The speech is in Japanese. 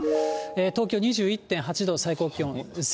東京２１．８度、最高気温。